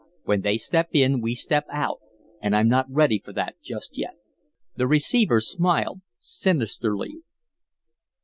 When they step in, we step out, and I'm not ready for that just yet." The receiver smiled sinisterly.